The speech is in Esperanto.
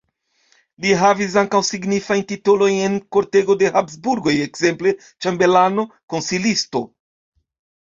Li havis ankaŭ signifajn titolojn en kortego de Habsburgoj, ekzemple ĉambelano, konsilisto.